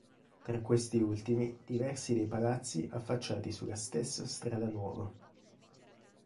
Tra questi ultimi, diversi dei palazzi affacciati sulla stessa Strada Nuova.